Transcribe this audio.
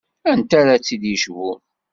Anta ara t-id-yecbun?